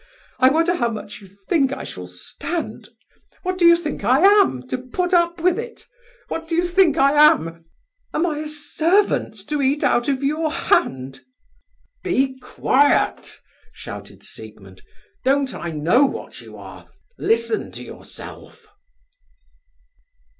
I wonder how much you think I shall stand? What do you think I am, to put up with it? What do you think I am? Am I a servant to eat out of your hand?" "Be quiet!" shouted Siegmund. "Don't I know what you are? Listen to yourself!"